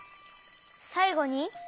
さいごに？